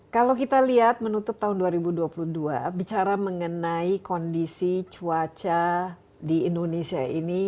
kalau kita lihat menutup tahun dua ribu dua puluh dua bicara mengenai kondisi cuaca di indonesia ini